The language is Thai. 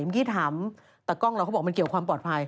เมื่อกี้ถามตากล้องเราเขาบอกมันเกี่ยวความปลอดภัย